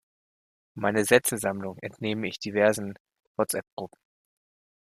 Meine Sätzesammlung entnehme ich diversen WhatsApp-Gruppen.